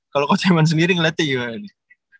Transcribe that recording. kalo coach eman sendiri ngeliatnya gimana nih